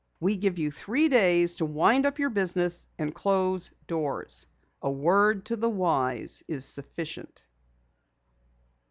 We give you three days to wind up your business and close doors. A word to the wise is sufficient."